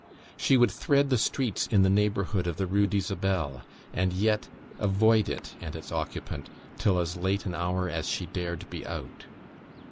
She would thread the streets in the neighbourhood of the Rue d'Isabelle, and yet avoid it and its occupant, till as late an hour as she dared be out.